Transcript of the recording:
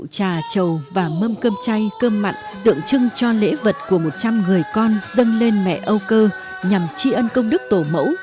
trà trầu và mâm cơm chay cơm mặn tượng trưng cho lễ vật của một trăm linh người con dâng lên mẹ âu cơ nhằm tri ân công đức tổ mẫu